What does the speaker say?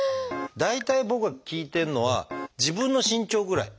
大体僕が聞いてるのは自分の身長ぐらい。